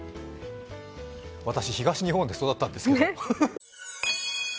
私、東日本で育ったんですけど。